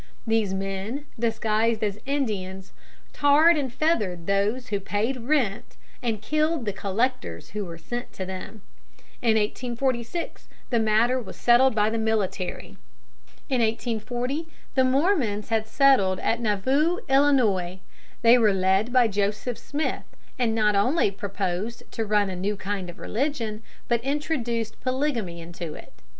These men, disguised as Indians, tarred and feathered those who paid rent, and killed the collectors who were sent to them. In 1846 the matter was settled by the military. [Illustration: TARRED AND FEATHERED FOR PAYING RENT.] In 1840 the Mormons had settled at Nauvoo, Illinois. They were led by Joseph Smith, and not only proposed to run a new kind of religion, but introduced polygamy into it.